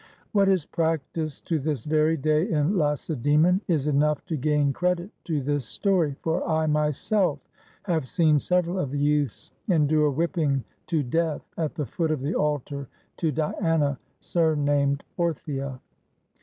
What is practiced to this very day in Lacedaemon is enough to gain credit to this story, for I myself have seen several of the youths endure whipping to death at the foot of the altar to Diana sur named Orthia.